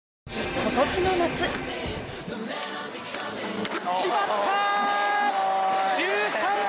今年の夏決まった！